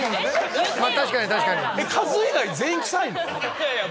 いやいや